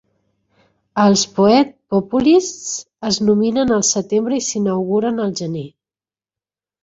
Els "Poet Populists" es nominen al setembre i s'inauguren al gener.